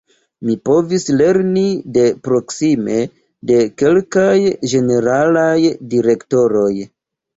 Mi povis lerni de proksime de kelkaj ĝeneralaj direktoroj.